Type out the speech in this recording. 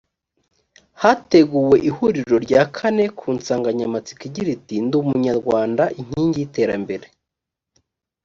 hateguwe ihuriro rya kane ku nsanganyamatsiko igira iti ndi umunyarwanda inkingi y’iterambere